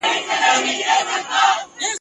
ګیدړ هم له خوشالیه کړې نڅاوي ..